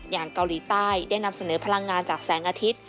อย่างเกาหลีใต้ได้นำเสนอพลังงานจากแสงอาทิตย์